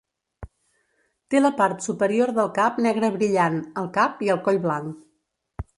Té la part superior del cap negre brillant al cap i el coll blanc.